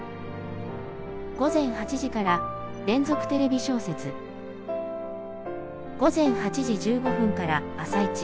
「午前８時から『連続テレビ小説』午前８時１５分から『あさイチ』」。